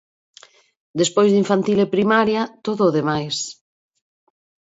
Despois de infantil e primaria, todo o demais.